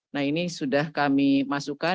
nah ini sudah kami masukkan